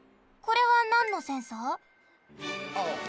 これはなんのセンサー？